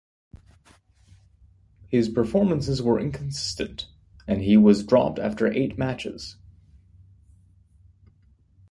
His performances were inconsistent and he was dropped after eight matches.